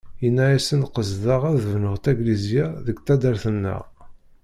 Yenna-yasen qesdeɣ ad bnuɣ taglisya deg taddart-a-nneɣ.